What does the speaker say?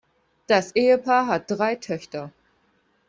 Das Ehepaar hat drei Töchter.